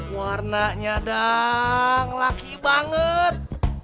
warnanya dang laki banget